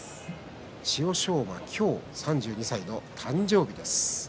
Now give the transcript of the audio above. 千代翔馬、今日３２歳の誕生日です。